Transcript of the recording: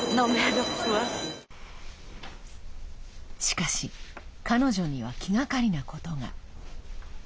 しかし、彼女には気がかりなことが。